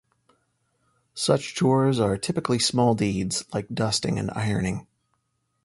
Such chores are typically small deeds, like dusting and ironing.